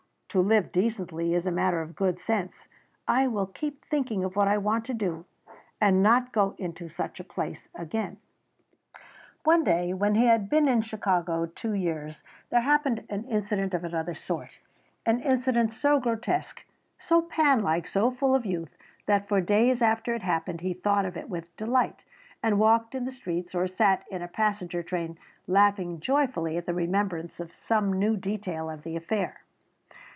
"To live decently is a matter of good sense. I will keep thinking of what I want to do and not go into such a place again." One day, when he had been in Chicago two years, there happened an incident of another sort, an incident so grotesque, so Pan like, so full of youth, that for days after it happened he thought of it with delight, and walked in the streets or sat in a passenger train laughing joyfully at the remembrance of some new detail of the affair.